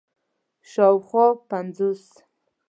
شاوخوا پنځوس